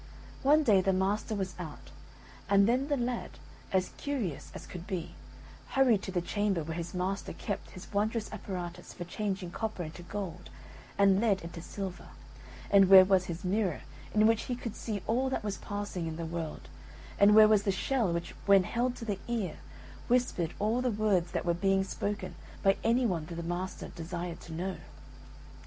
One day the master was out, and then the lad, as curious as could be, hurried to the chamber where his master kept his wondrous apparatus for changing copper into gold, and lead into silver, and where was his mirror in which he could see all that was passing in the world, and where was the shell which when held to the ear whispered all the words that were being spoken by anyone the master desired to know about.